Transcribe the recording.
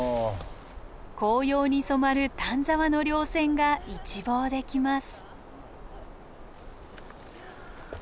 紅葉に染まる丹沢の稜線が一望できます。